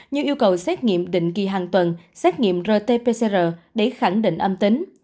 như yêu cầu xét nghiệm định kỳ hàng tuần xét nghiệm rt pcr để khẳng định âm tính